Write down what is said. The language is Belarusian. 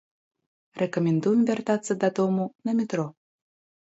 Рэкамендуем вяртацца дадому на метро.